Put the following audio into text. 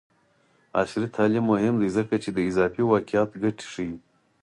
عصري تعلیم مهم دی ځکه چې د اضافي واقعیت ګټې ښيي.